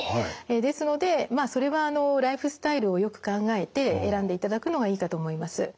ですのでまあそれはライフスタイルをよく考えて選んでいただくのがいいかと思います。